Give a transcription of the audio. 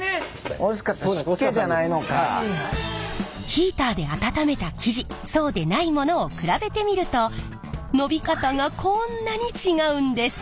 ヒーターで温めた生地そうでないものを比べてみると伸び方がこんなに違うんです。